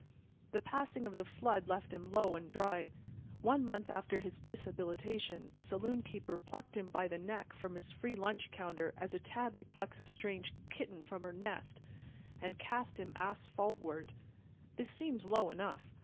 The passing of the flood left him low and dry. One month after his dishabilitation a saloon keeper plucked him by the neck from his free lunch counter as a tabby plucks a strange kitten from her nest, and cast him asphaltward. This seems low enough.